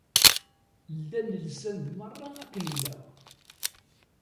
Llan lsan-d merra akken ilaq.